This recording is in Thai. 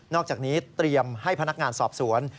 อกจากนี้เตรียมให้พนักงานสอบสวน